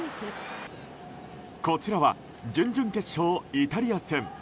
こちらは準々決勝、イタリア戦。